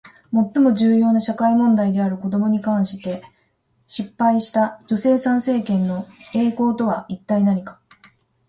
最も重要な社会問題である子どもに関して失敗した女性参政権の栄光とは一体何か？